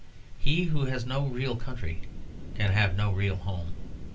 He who has no real country can have no real home.